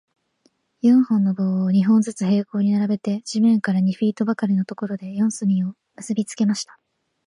四本の棒を、二本ずつ平行に並べて、地面から二フィートばかりのところで、四隅を結びつけました。